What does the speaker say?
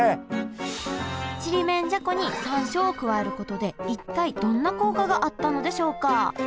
ちりめんじゃこに山椒を加えることで一体どんな効果があったのでしょうか？